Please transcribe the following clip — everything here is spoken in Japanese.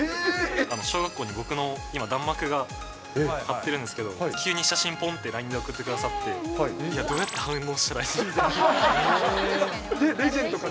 小学校に僕の今、団幕が張ってるんですけど、急に写真ぽんってＬＩＮＥで送ってくださって、どうやって反応しレジェンドから？